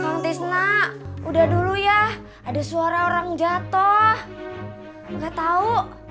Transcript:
kang tisna udah dulu ya ada suara orang jatoh nggak tau